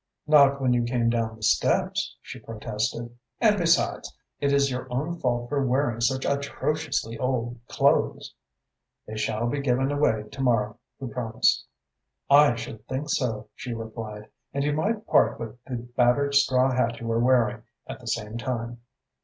"Not when you came down the steps," she protested, "and besides, it is your own fault for wearing such atrociously old clothes." "They shall be given away to morrow," he promised. "I should think so," she replied. "And you might part with the battered straw hat you were wearing, at the same time."